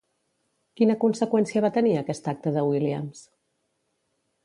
Quina conseqüència va tenir aquest acte de Williams?